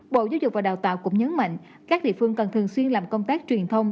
bộ giáo dục và đào tạo cũng nhấn mạnh các địa phương cần thường xuyên làm công tác truyền thông